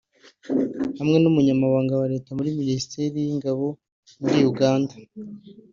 hamwe n’umunyamabanga wa Leta muri Ministeri y’ingabo muri Uganda